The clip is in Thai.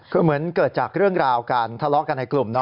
คือเหมือนเกิดจากเรื่องราวการทะเลาะกันในกลุ่ม